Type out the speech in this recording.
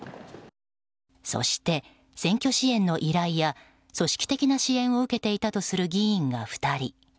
そして、選挙支援の依頼や組織的な支援を受けていたとされる議員が２人。